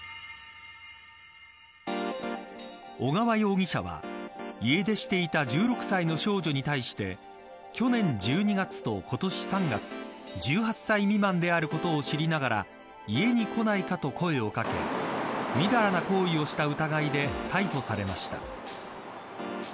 小川容疑者は家出していた１６歳の少女に対して去年１２月と今年３月１８歳未満であることを知りながら家に来ないかと声を掛けみだらな行為をした疑いで逮捕されました。